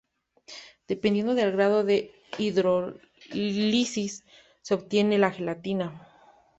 Dependiendo del grado de hidrólisis, se obtiene la gelatina.